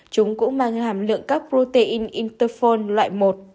chúng cũng mang hàm lượng các protein interphone loại một